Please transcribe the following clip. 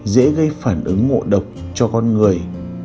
dễ gây phản ứng ngộ độc cho con người